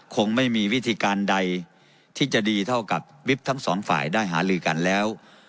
คงไม่มีวิธีการใดที่จะดีเท่ากับวิบทั้งสองฝ่ายได้หาลือกันแล้ว